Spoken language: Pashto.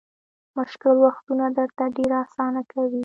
مشکل وختونه درته ډېر اسانه کوي.